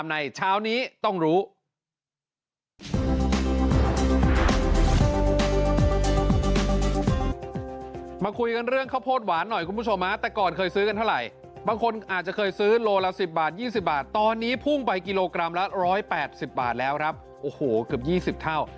มาคุยกันเรื่องข้าวโพดหวานหน่อยคุณผู้ชมแต่ก่อนเคยซื้อกันเท่าไหร่บางคนอาจจะเคยซื้อโลละ๑๐บาท๒๐บาทตอนนี้พุ่งไปกิโลกรัมละ๑๘๐บาทแล้วครับโอ้โหเกือบ๒๐เท่า